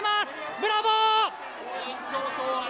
ブラボー。